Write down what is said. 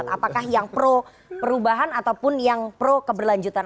apakah yang pro perubahan ataupun yang pro keberlanjutan